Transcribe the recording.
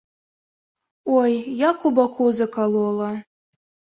Ой, як у баку закалола.